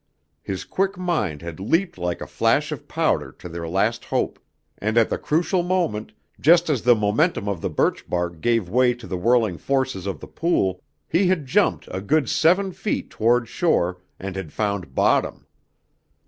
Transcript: His quick mind had leaped like a flash of powder to their last hope, and at the crucial moment, just as the momentum of the birch bark gave way to the whirling forces of the pool, he had jumped a good seven feet toward shore, and had found bottom!